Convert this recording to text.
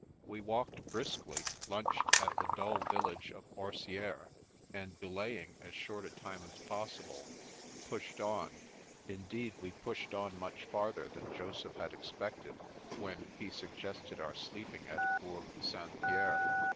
We walked briskly, lunched at the dull village of Orsieres; and delaying as short a time as possible, pushed on — indeed, we pushed on much farther than Joseph had expected, when he suggested our sleeping at Bourg St. Pierre.